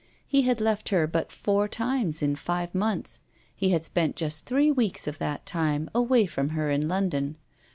He had left her but four times in five months; he had spent just three weeks of that time away from her in London.